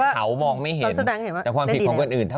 ต้องไม่มอง